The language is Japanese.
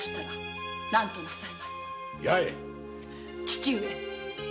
父上！